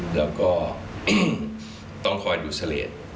แล้วก็ต้องคอยดูเฉลย